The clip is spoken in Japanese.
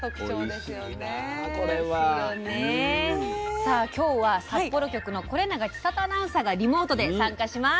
さあ今日は札幌局の是永千恵アナウンサーがリモートで参加します。